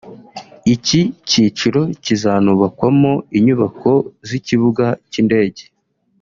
Iki cyiciro kizanubakwamo inyubako z’ikibuga cy´indege